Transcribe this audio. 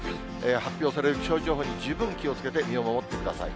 発表される気象情報に十分気をつけて、身を守ってください。